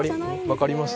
分かります？